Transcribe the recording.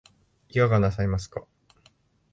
いかがなさいますか